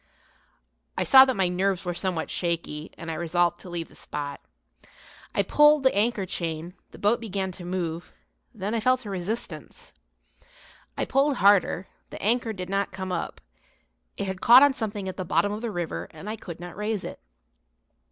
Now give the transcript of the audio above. I saw that my nerves were somewhat shaky, and I resolved to leave the spot. I pulled the anchor chain, the boat began to move; then I felt a resistance. I pulled harder, the anchor did not come up; it had caught on something at the bottom of the river and I could not raise it.